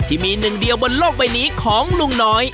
ที่มีหนึ่งเดียวบนโลกใบนี้ของลุงน้อย